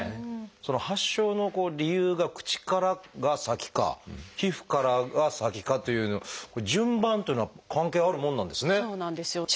その発症の理由が口からが先か皮膚からが先かという順番というのは関係あるもんなんですね。